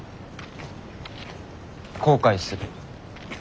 後悔するよ。